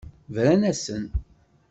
Bran-asen.